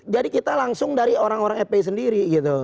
jadi kita langsung dari orang orang epi sendiri gitu